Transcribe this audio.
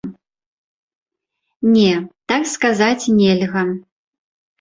Не, так сказаць нельга.